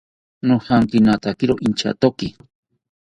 Nojankinatakiro inchatoki